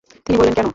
তিনি বললেন, কেন?